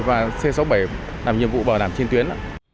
và c sáu mươi bảy làm nhiệm vụ bảo đảm trên tuyến